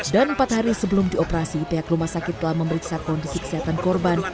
dan empat hari sebelum dioperasi pihak rumah sakit telah memeriksa kondisi kesehatan korban